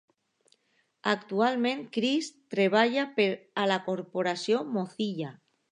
Actualment, Chris treballa per a la Corporació Mozilla.